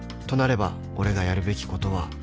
［となれば俺がやるべきことは］